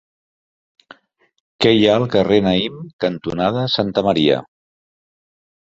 Què hi ha al carrer Naïm cantonada Santa Maria?